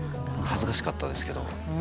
恥ずかしかったですけど。